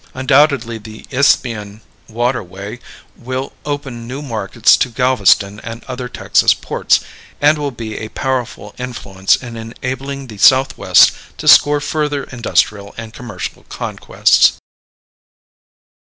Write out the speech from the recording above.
Undoubtedly the isthmian waterway will open new markets to Galveston and other Texas ports, and will be a powerful influence in enabling the Southwest to score further industrial and commercial conquests.